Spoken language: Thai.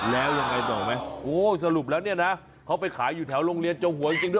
แล้วยังไงต่อไหมโอ้สรุปแล้วเนี่ยนะเขาไปขายอยู่แถวโรงเรียนเจ้าหวยจริงด้วย